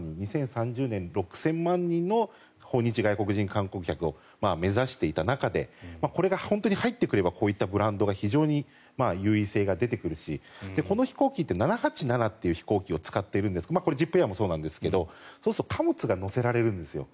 ２０３０年、６０００万人の訪日外国人観光客を目指していた中でこれが本当に入ってくればこういったブランドが優位性が出てくるしこの飛行機って７８７という飛行機を使っているんですがこれはジップエアもそうですがそうすると貨物が載せられるんです。